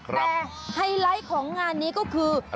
แต่ไฮไลท์ของงานนี้ก็คือ